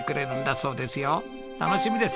楽しみです！